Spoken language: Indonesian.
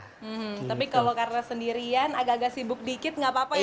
hmm tapi kalau karena sendirian agak agak sibuk dikit gak apa apa ya